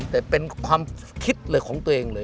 แต่เป็นความคิดเลยของตัวเองเลย